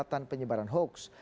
peningkatan penyebaran hoaks